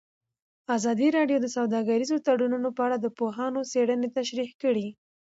ازادي راډیو د سوداګریز تړونونه په اړه د پوهانو څېړنې تشریح کړې.